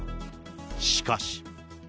しかし。